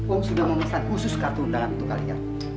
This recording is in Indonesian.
om sudah memasak khusus kartu undangan itu kali ya